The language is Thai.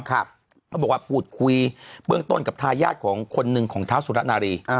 เขาบอกว่าพูดคุยเบื้องต้นกับทายาทของคนหนึ่งของเท้าสุรนารี